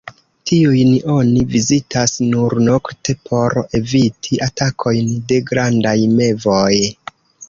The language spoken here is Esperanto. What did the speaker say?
Tiujn oni vizitas nur nokte por eviti atakojn de grandaj mevoj.